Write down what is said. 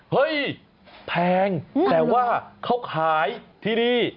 เฮ้ยแพงแต่ว่าเขาขายที่นี่